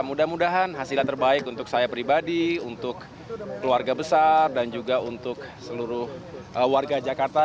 mudah mudahan hasilnya terbaik untuk saya pribadi untuk keluarga besar dan juga untuk seluruh warga jakarta